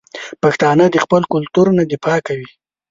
پښتانه د خپل کلتور نه دفاع کوي.